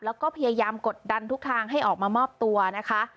แล้วก็พยายามกดดันทุกทางให้ออกมามอบตัวนะคะ